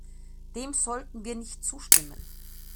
Dem sollten wir nicht zustimmen.